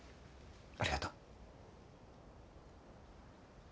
ありがとう。